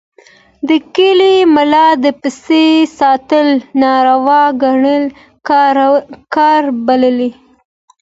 د کلي ملا د سپي ساتل ناروا کار باله.